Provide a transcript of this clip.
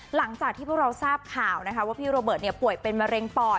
หลังจากที่พวกเราทราบข่าวนะคะว่าพี่โรเบิร์ตป่วยเป็นมะเร็งปอด